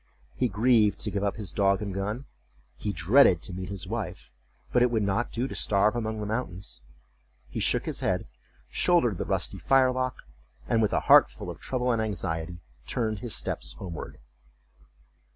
He grieved to give up his dog and gun; he dreaded to meet his wife; but it would not do to starve among the mountains. He shook his head, shouldered the rusty firelock, and, with a heart full of trouble and anxiety, turned his steps homeward.